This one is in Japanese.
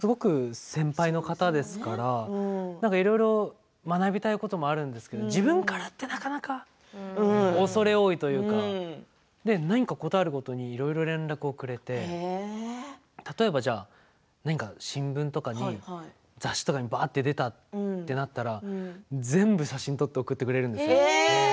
何かやっぱり芸能界のものすごく先輩の方ですからなんかいろいろ学びたいこともあるんですけれど自分からってなかなか恐れ多いというかなんかことあるごとにいろいろ連絡をくれて例えばじゃあ何かの新聞とか雑誌とかにぱっと出たとなったら全部、写真を撮って送ってくれるんですよ。